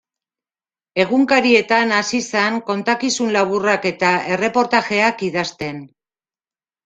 Egunkarietan hasi zen kontakizun laburrak eta erreportajeak idazten.